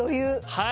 はい。